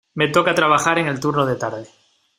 Me toca trabajar en el turno de tarde.